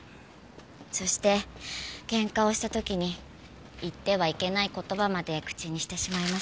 そしてケンカをした時に言ってはいけない言葉まで口にしてしまいました。